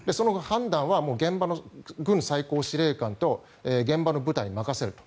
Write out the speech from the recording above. もう現場の軍最高司令官と現場の部隊に任せると。